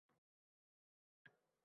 bearmon